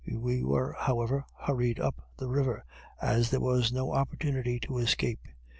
We were, however, hurried up the river, as there was no opportunity to escape.